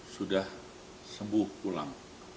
sudah sembuh pulang